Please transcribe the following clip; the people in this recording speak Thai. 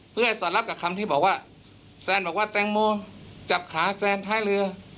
เพื่อให้สอดรับกับคำที่บอกว่าแซนบอกว่าแตงโมจับขาแซนท้ายเรือ